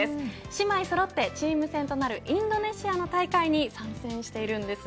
姉妹そろってチーム戦となるインドネシアの大会に参戦しているんです。